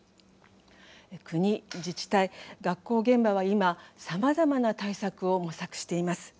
国、自治体、学校現場は今さまざまな対策を模索しています。